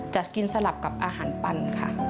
จะกินสลับกับอาหารปันค่ะ